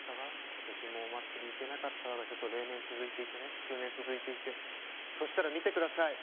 今年もお祭り行けなかったわが数年、続いていてそしたら見てください。